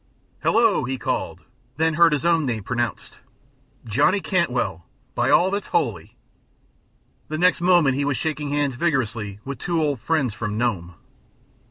"Hello!" he called, then heard his own name pronounced. "Johnny Cantwell, by all that's holy!" The next moment he was shaking hands vigorously with two old friends from Nome.